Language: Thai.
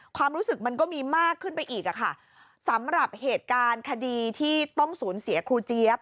ความรู้สึกมันก็มีมากขึ้นไปอีกอะค่ะสำหรับเหตุการณ์คดีที่ต้องสูญเสียครูเจี๊ยบ